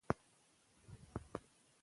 د احمدشاه بابا توره تل د حق لپاره پورته وه.